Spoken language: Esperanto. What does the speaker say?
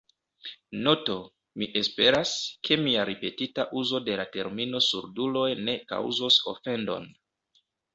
Noto: Mi esperas, ke mia ripetita uzo de la termino surduloj ne kaŭzos ofendon.